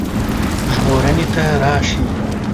ژغورني ته راشي.